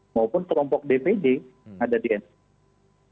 maupun kelompok dpd ada di mpr